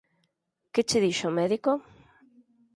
Que che dixo o médico?